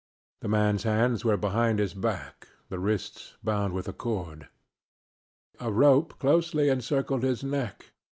The man's hands were behind his back, the wrists bound with a cord. A rope closely encircled his neck.